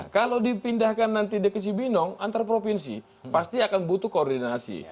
kalau dipindahkan nanti di ke cibinong antar provinsi pasti akan butuh koordinasi